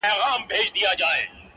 ماته خو اوس هم گران دى اوس يې هم يادوم؛